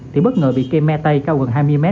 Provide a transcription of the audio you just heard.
thì bất ngờ bị cây me tay cao gần hai mươi m